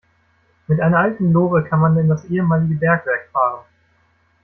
Mit einer alten Lore kann man in das ehemalige Bergwerk fahren.